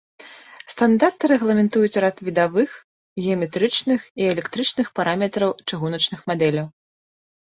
Стандарты рэгламентуюць рад відавых, геаметрычных і электрычных параметраў чыгуначных мадэляў.